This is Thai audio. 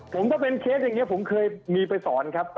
ผมก็เป็นเคสอย่างนี้ผมเคยมีไปสอนครับ